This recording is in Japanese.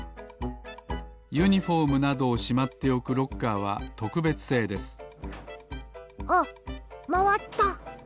ユニフォームなどをしまっておくロッカーはとくべつせいですあっまわった！